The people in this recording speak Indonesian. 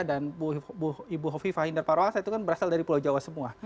dan ibu hovi fahinder parwasa itu kan berasal dari pulau jawa semua